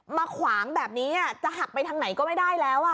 ขวางแบบนี้จะหักไปทางไหนก็ไม่ได้แล้ว